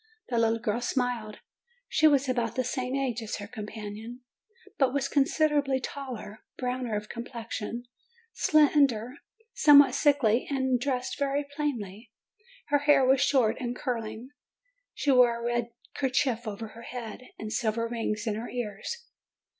The little girl smiled. She was about the same age as her companion, but was considerably taller, brown of complexion, slender, somewhat sickly, and dressed very plainly. Her hair was short and curling, she wore a red kerchief over her head, and silver rings in her ears.